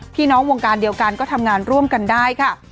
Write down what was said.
พี่น้องวงการเดียวกันก็ทำงานร่วมกันได้ค่ะ